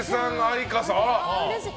うれしい。